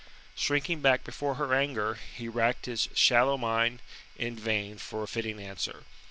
Shrinking back before her anger, he racked his shallow mind in vain for a fitting answer.